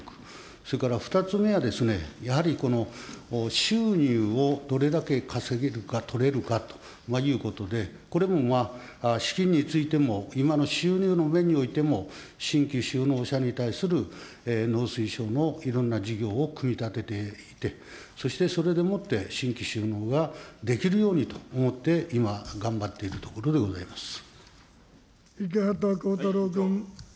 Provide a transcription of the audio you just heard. それから２つ目はですね、やはり収入をどれだけ稼げるか、とれるかということで、これもまあ、資金についても、今の収入の面においても、新規就農者に対する農水省のいろんな事業を組み立てていって、そしてそれでもって、新規就農ができるようにと思って、今、頑張っているところでござい池畑浩太朗君。